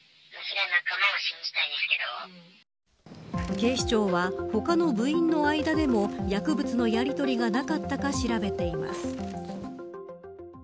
警視庁は、他の部員の間でも薬物のやり取りがなかったか調べています。